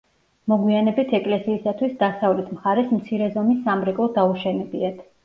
მოგვიანებით ეკლესიისათვის დასავლეთ მხარეს მცირე ზომის სამრეკლო დაუშენებიათ.